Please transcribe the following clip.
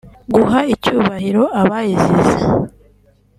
guha icyubahiro abayizize